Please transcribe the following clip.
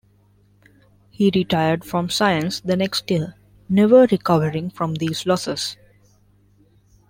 He retired from science the next year, never recovering from these losses.